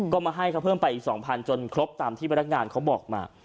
ก็มาให้เขาเพิ่มไปอีก๒๐๐จนครบตามที่พนักงานเขาบอกมา